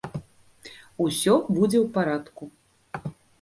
Усё будзе ў парадку.